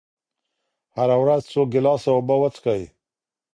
هره ورځ څو ګیلاسه اوبه وڅښئ.